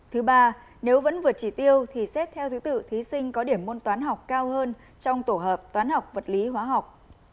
thứ ba nếu vẫn vượt chỉ tiêu thì xét theo dữ tự thí sinh có điểm môn toán học cao hơn trong tổ hợp toán học vật lý hóa học